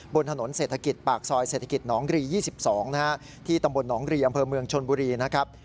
บนถนนเศรษฐกิจปากซอยเศรษฐกิจหนองรี๒๒ที่ตำบลหนองรีอำเภอเมืองชนบุรีนะครับ